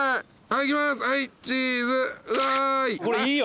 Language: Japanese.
はいチーズ。わい！